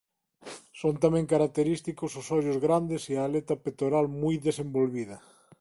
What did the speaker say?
Son tamén característicos os ollos grandes e a aleta pectoral moi desenvolvida.